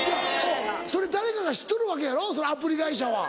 それ誰かが知っとるわけやろそのアプリ会社は。